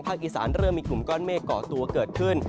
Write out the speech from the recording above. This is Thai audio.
อีสานเริ่มมีกลุ่มก้อนเมฆก่อตัวเกิดขึ้น